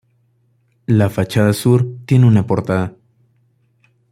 La fachada sur tiene una portada.